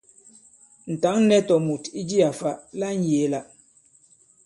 Ǹ tǎŋ nɛ̄ tòmùt i jiā fa la ŋyēe-la.